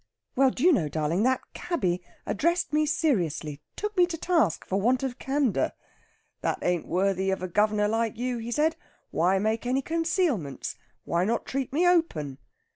Well, do you know, darling, that cabby addressed me seriously; took me to task for want of candour. 'That ain't worthy of a guv'nor like you,' he said. 'Why make any concealments? Why not treat me open?'